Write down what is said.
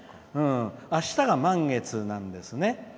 あしたが満月なんですね。